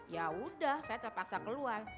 yaudah saya terpaksa keluar